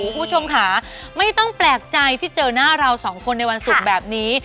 คุณผู้ชมค่ะไม่ต้องแปลกใจที่เจอหน้าเราสองคนในวันศุกร์แบบนี้